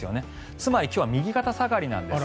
つまり今日は右肩下がりなんです。